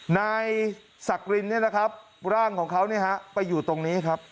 นายสักรินเนี่ยนะครับร่างของเขาไปอยู่ตรงนี้ครับ